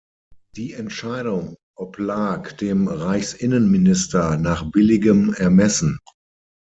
Die Entscheidung oblag dem Reichsinnenminister nach billigem Ermessen.